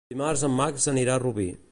Dimarts en Max anirà a Rubí.